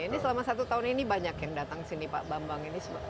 ini selama satu tahun ini banyak yang datang sini pak bambang ini